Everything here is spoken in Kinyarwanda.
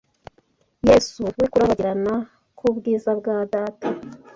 Yesu We kurabagirana k’ubwiza bwa Data